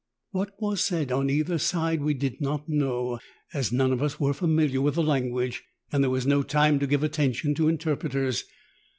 What was said on either side we did not know, as none of us were familiar with the language, and there was no time to give attention to inter preters.